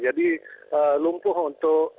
jadi lumpuh untuk